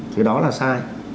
thì đó là sai